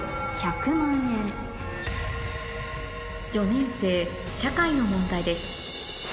４年生社会の問題です